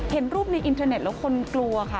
เห็นรูปในอินเทอร์เน็ตแล้วคนกลัวค่ะ